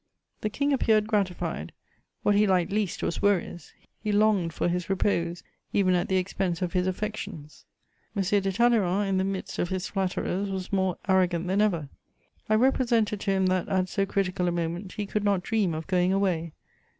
The King appeared gratified; what he liked least was worries; he longed for his repose, even at the expense of his affections. M. de Talleyrand, in the midst of his flatterers, was more arrogant than ever. I represented to him that, at so critical a moment, he could not dream of going away.